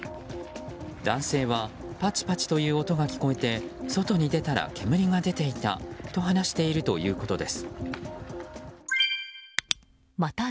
男性はパチパチという音が聞こえて外に出たら煙が出ていたと話しているということです。